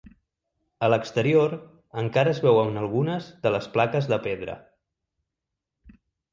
A l'exterior, encara es veuen algunes de les plaques de pedra.